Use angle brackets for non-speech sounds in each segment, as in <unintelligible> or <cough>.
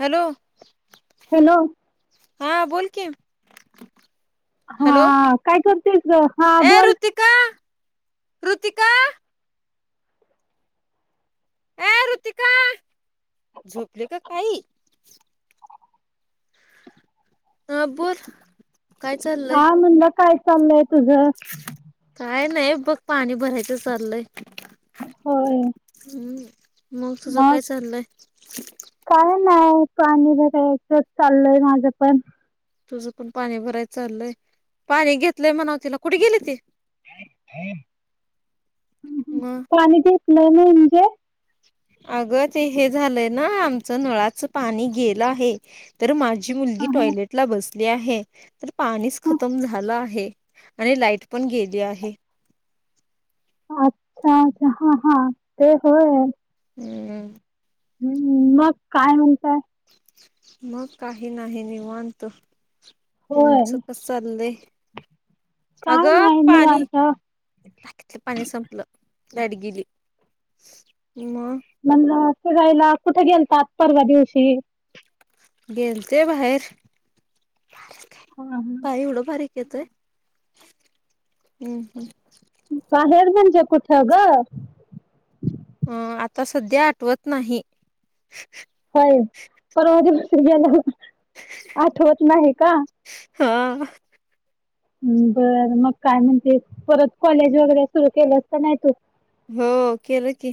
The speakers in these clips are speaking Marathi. हॅलो हॅलो हा बोल कि हा काय कर ए ऋतिका ऋतिका अ ुतिका झोपली का काही ह बोर हा मुणलं काय चाललय तुझ काय नाही बघ पाणी भरायचं चाललंय होय हम्म मग तुझं काय चाललंय काय नाही पाणी चाललय माझं पण तुझं पण पाणी भरायच चालय पाणी घेतलंय म्हणाव तिला कुठे गेली ती मग पाणी घेतलय म्हणजे अग ते हे झालंय ना आमचं नळाच पाणी गेलं आहे तर माझ ती मुलगी हा, टॉयलेट ला बस आहे तर पाणीच खतम झालं आहे आणि लाइट पण गेली आहे अच्छा अच्छा हा हा ते होय हम.. हम्म मग काय म्हणतय.. मग काही नाही निवांत.. होय तुमचं कसं चाललंय.. काय अगं नाही पाणी निवांत टाकीतलं पाणी संपलं... लाईट गेली... मग म्हणलं फिरायला कुठे गेलतात परवा दिवशी... गेलते बाहेर... हा, हा. काय एवढं बारीक.. येतय हम हम... बाहेर म्हणजे कुठं ग... अं आता सध्या आठवत नाही... ला आठवत नाही? हा... बर मग काय म्हणते परत कॉलेज वगैरे सुरू केलस का नाहीस तू... हो केलं की...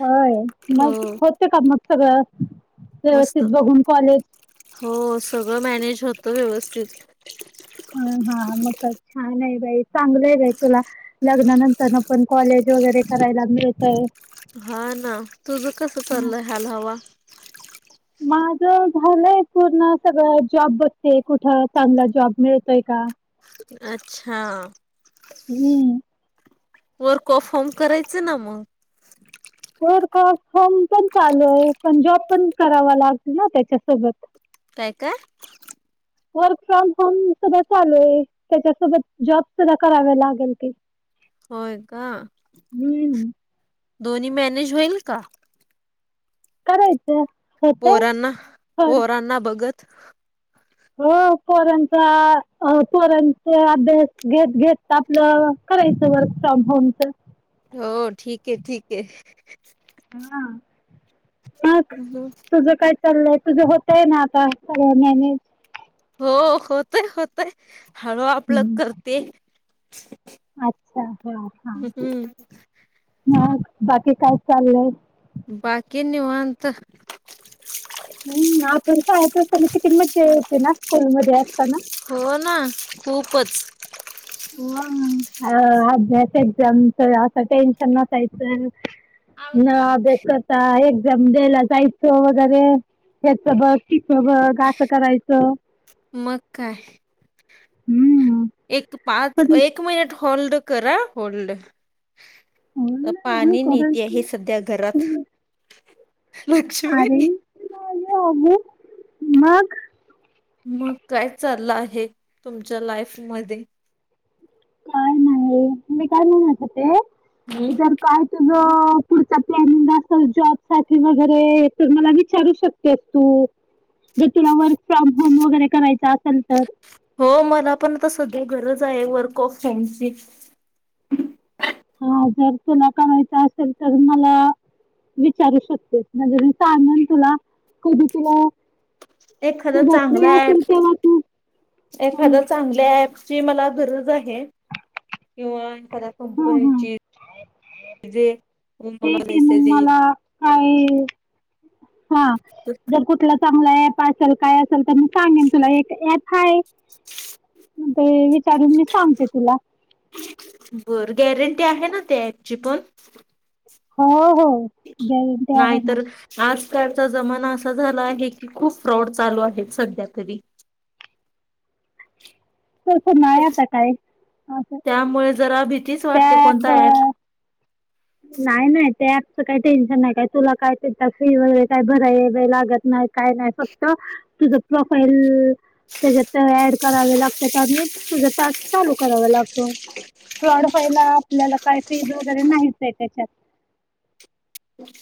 होय हो मग होते का मग सगळं... मस्त व्यवस्थित बघून कॉलेज... हो सगळं मॅनेज होतं व्यवस्थित... हा हा मग छान आहे बाई चांगलंय बाई तुला लग्नानंतर पण कॉलेज वगैरे करायला मिळतंय.. हा ना तुझं कसं हा. चाललंय हाल हवा माझं झालंय पूर्ण सगळं जॉब बघते कुठ चांगला जॉब मिळतोय का... अच्छा... हम्म वर्क ऑफ होम करायचं ना मग.. वर्क ऑफ होम पण चालू आहे पण जॉब पण करावा लागतो ना त्याच्यासोबत.. काय काय.. वर्क फ्रॉम होम सुद्धा चालूये त्याच्यासोबत जॉब सुद्धा करावा लागल की.. होय का हम्म दोन्ही मॅनेज होईल का.. करायचं.. होतंय पोरांना पर पोरांना बघत.. हो पोरांचा पोरांचा अभ्यास घेत घेत आपलं... करायचं वर्क फ्रॉम होमचं... हो ठीक आहे ठीक हो ना मग आहे तुझं काय... चाललंय तुझं होतंय ना आता सगळं मॅनेज... हो होतय होतय हळू आपलं हम्म करते... अच्छा हा हा हम्म म बाकी काय चाललंय... बाकी निवांत.... हा आपण शाळेत असताना किती मज्जा यायची ना स्कूलमध्ये असताना... हा खूपच... हा... अभ्यास एक्झाम असं टेन्शन नसायचं... न अभ्यास करता एक... ला जायचो वगैरे त्याचं बघ... असं करायचं... मग काय हम्म... एक पाच... पण एक मिनिट होल्ड कर हा... होल्ड... पाणी नेती आहे करायचं सध्या घरात... लक्ष्मी... हा मग... मग काय चाललं आहे तुमच्या लाईफ मध्ये... काय नाही... मी काय म्हणत होते जर काय तुझं... अ... पुढचा प्लॅन... म्हणजे असंच जॉबसाठी वगैरे तर मला विचारू शकतेस तू... जर तुला वर्क फ्रॉम होम वगैरे करायच आसन तर होय वर्क ऑफ होमची हा जर तुला करायचं असेल तर मला विचारू शकतेस म्हणजे मी सांगेन तुला कधी तुला एखादा तुझा फ्री चांगला असेल तेव्हा तू अँप हां एखाद्या चांगल्या ऍपची मला गरज आहे किंवा एखाद्या हां कंपनीची जे ते मला ते मग मेसेज मला येईल काय हा जर कुठला चांगला ऍप असेल काय असेल तर मी सांगेन तुला एक ऍप हाय. ते विचारून मी सांगते तुला. बर गॅरंटी आहे ना ते ऍपची पण? हो हो गॅरंटी आहे ना. कडचा जमाना असा झाला आहे की खूप फ्रॉड चालू आहेत सध्या तरी. तसं नाही आता काय. असं त्यामुळे जरा भीतीच वाटते कोणत ॲप नाही नाही त्या अँपची काही टेन्शन नाही काय तुला काय ते फी वगैरे काय भरा लागत नाही. काय नाही फक्त तुझ प्रोफाईल तेज्यात अँड करावे लागत्यात आणि तुझ टास्क चालू कराव लाग फ्रॉड पहिला आपल्याला काय फीज वगैरे नाहीच हे तेच्यात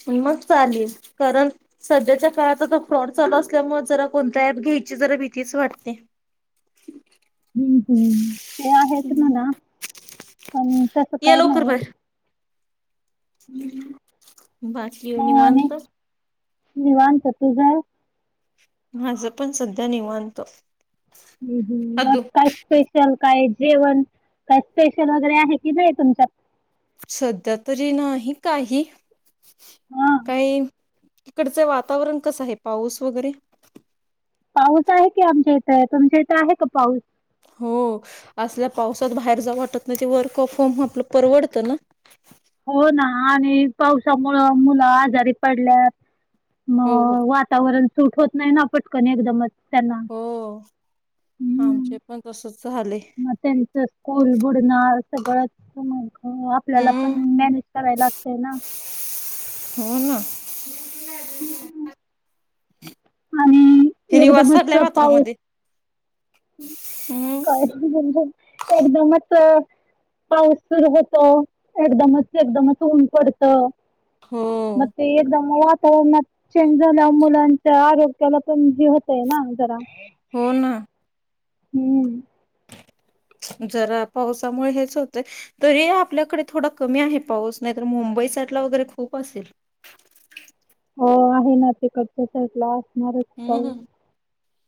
मग चालेल कारण सध्याच्या काळात आता फ्रॉड चालू असल्यामुळे जरा कोणत अँप घ्यायची जरा भीतीच वाटते. <inaudible> हम्, हम् ते आहेच म्हणा पण तस या काही लवकर नाही बाहेर बाकी मग आणि निवांत? निवांत तुझं? माझं पण सध्या निवांत. हू, हू मग अदू काय स्पेशल? काय जेवण काय स्पेशल वगैरे आहे कि नाही तुमच्यात? सध्या तरी नाही काही. हां काही तिकडचं वातावरण कसं आहे पाऊस वगैरे? पाऊस आहे की आमच्या इथं तुमच्या इथं आहे का पाऊस? हो असल्या पावसात बाहेर जाऊ वाटत नाही ते वर्क ऑफ होम आपलं परवडतं ना. हो ना आणि पावसामुळं मुलं आजारी पडल्या म हो हो वातावरण सूट होत नाही ना पटकन एकदम. हो आमचे पण तसच झाले म तेच कॉल बुडनार. सगळचं मग आपल्याला पण हम्म मॅनेज कराय लागतय ना. हो ना. आणि हे निवास साधलाय एकदमच पाऊस मात्रामध्ये हम्म <unintelligible> एकदमच पाऊस सुरु होतो एकदमच एकदमच ऊन पडत. हो <inaudible> त मग चेंज झाल्या मुलांच्या आरोग्याला पण हे होतय ना जरा हो ना. हम् <inaudible> जरा पावसामुळे हेच होत तरी आपल्याकडे थोडा कमी आहे पाऊस नाही तर मुंबईचा <unintelligible> वगैरे खूप असेल. <unintelligible> हो आहे ना तीकडच्या साईटला असणारच हम्म पाऊस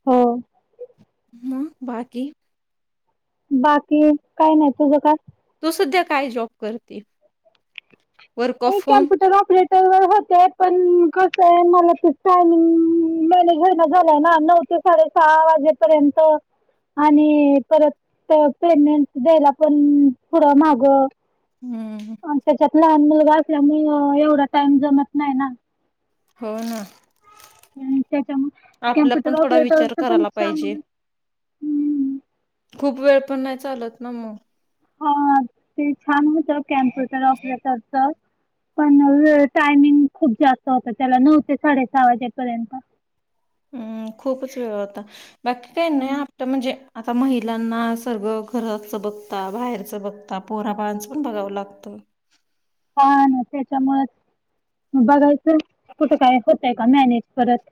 हो. म बाकी? बाकी काही नाही तुझं काय? तू सध्या काय जॉब करते? वर्क मी ऑफ होम कमप्युटर ऑपरेटर वर होते. पण कसं आहे मला ते टायमिंग मॅनेज होणार झालंय ना नऊ ते साडेसात. वाजेपर्यंत आणि परत पेमेंट द्यायला पण पुढं माग. हम्म त्याच्यात लहान मुलगा असल्यामुळे एवढा टाइम जमत नाही ना. हो ना त्याच्यामुळे आपला कम्प्युटर पण थोडा विचार ऑपरेटरच पण करायला पाहिजे चांगला. हम्म खूप वेळ पण नाही चालत ना मग. हा ते छान होतं कॅम्प्युटर ऑपरेटरच. पण टायमिंग खूप जास्त होत त्याला नऊ ते साडे सहा वाजेपर्यंत. हम् खूपच वेळ होता बाकी काही नाही हम्म आपत म्हणजे आता महिलांना सगळं. घराचं बघता बाहेरचं बघता पोरा बाळाचं पण बघावं लागतं. <inaudible> हा ना त्याच्यामुळे बघायचं कुठं काय होतय का मॅनेज. परत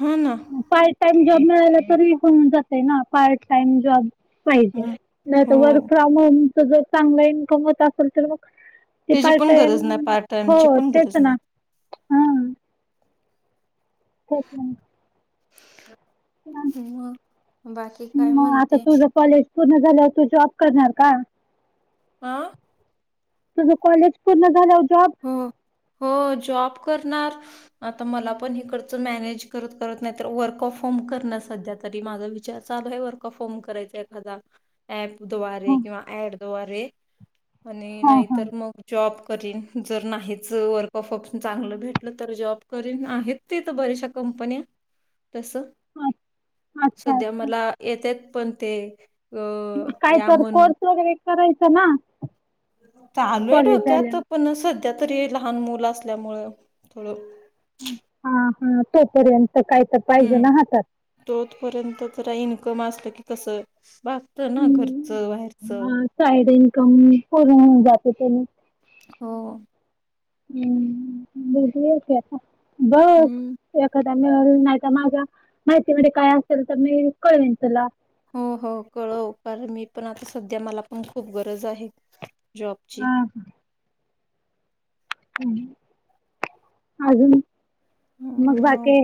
हा ना पार्ट टाईम जॉब मिळाला तरी होऊन जाते ना पार्ट टाइम जॉब. पाहिजे हम्म. नाही तर वर्क हो फ्रॉम होमच जर चांगलं इन्कम होत असेल तर मग ते त्याची पार्ट पण टाईम गरज नाही पार्ट हो टाइमची पण तेच गरज नाही ना. हा तेच ह बाकी काय मग आता म्हणते? तुझं कॉलेज पूर्ण झाल्यावर तू जॉब करणार का? हां तुझ कॉलेज पूर्ण झाला. हो हो जॉब. आता मला पण हे मॅनेज करत करत नाहीत वर्क ऑफ होम करणार सध्या. तरी माझा विचार चालू आहे वर्कऑफ होम करायचा एखादा ऍप. दवारे हा किंवा ऍड दवारे आणि हा नाहीतर मग जॉब करीन. जर नाहीच वर्क ऑफ चांगलं भेटलं तर जॉब करीन आहेत तेथ बऱ्याचशा कंपन्या. <inaudible> तस हा अच्छा सध्या अच्छा मला येतेत पण ते अ मग काय या तर म्हणून कोर्स वगैरे करायचं ना? चालू आहे कॉलेज डोक्यात झाल्यावर. पण सध्या तरी लहान मुलं असल्यामुळे थोडं हा हा तोपर्यंत. काय तर पाहिजे हम्म ना हातात. तोपर्यंत खरा इन्कम असल की कसं. भागतं ना हम् घरचं बाहेरचं हा साईड इन्कम पूर्ण होऊ जाते त्याच. हो हम्म बता बघ हम्म ए नाही माझ्या माहितीमध्ये काय असेल तर मी कळवेन तुला. हो हो कळव कारण मी पण आता सध्या मला पण खूप गरज आहे. जॉबची. हा हा. अजून मग बाकी.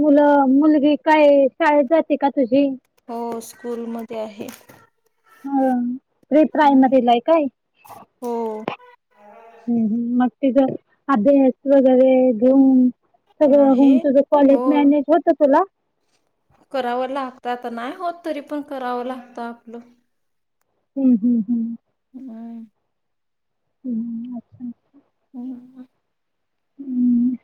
मुलं मुलगी काय शाळेत जाते का तुझी? हो स्कूलमध्ये आहे. ह प्रि प्रायमरीला आहे काय? हो हम् ह म अध हस बग आहे ऊम तर आहे तुझं हो कॉलेज मॅनेज होत तुला? करावं लागत आता नाय होत, तरीपण करावं लागतं आपलं हम्म हम्म हम्म. हां. हम्मम्म अच्छा अच्छा हम्. हम्म.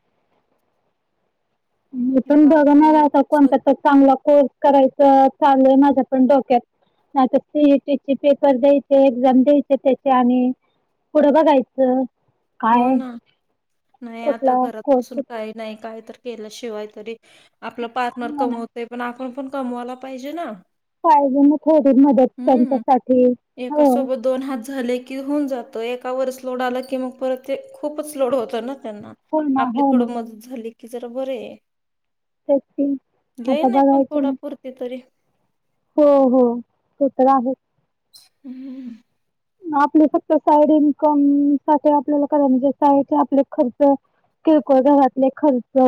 मी पण बघणार बाकी आता कोणता तरी चांगला कोर्स? करायचं चालूए माझ्या पण डोक्यात नाही तर सीईटीचे पेपर द्यायचे, एक्झाम द्यायचे त्याचे आणि पुढं बघायचं. हो काय ना, नाही आता कुठला घरात बसून कोर्स काही नाही, काय तर केल्याशिवाय तरी? आपलं पार्टनर कमवतय पण आपण पण कमवायला पाहिजे ना. पाहिजे म थोडी मदत हम्म त्यांच्यासाठी एका हो. सोबत दोन हात झाले की होऊन जातं एकावरच लोड आलं, की मग परत ते खूपच लोड होतं ना त्यांना हो ना आपली हो थोडं ना मदत झाली, की जरा बर ए. तेच की लई आता नाही पण बघायचं पोटा ना पुरती तरी हो हो ते तर आहेच. हम्म. आपले फक्त साईड इन्कम साठि आपल्याला करा, म्हणजे साईड आपले खर्च- किरकोळ घरातले खर्च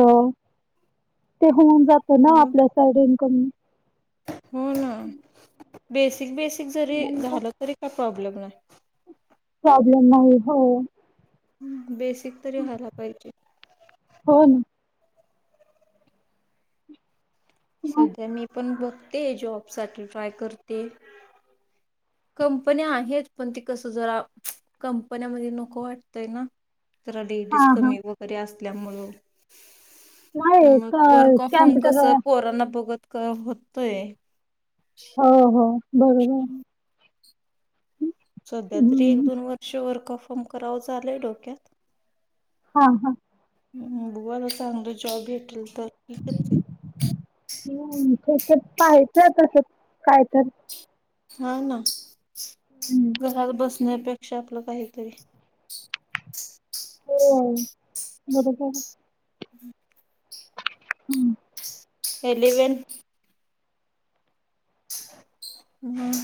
ते होऊन जात ना हो आपल्या साईड इन्कम हो ना बेसिक बेसिक जरी झालं तरी काय प्रॉब्लेम नाही? प्रॉब्लेम नाही हो. बेसिक तरी व्हायला पाहिजे. हो ना मग सध्या मी पण बघतेए जॉब साठि ट्राय करते. कंपन्या आहेत, पण ते कस जरा कंपन्यामध्ये नको वाटतय ना. जरा लेडीज हा हा कमी वगैरे असल्यामुळं नाही मग वर्क ऑफ होम कॅम्प्युटर कसं पोरांना बघत काय होतय हो हो बरोबर. सध्या तरी एक हम्म दोन वर्ष वर्कऑफ होम करावं चालूय डोक्यात हा हा. ह बघुया ना चांगली जॉब भेटले तर होते. हम्म ठीक आहे पाहायचं तसं काय तर? हा ना. हम्म, घरात बसण्यापेक्षा आपलं काहीतरी होय बरोबर हम्म. एलिवेन मं.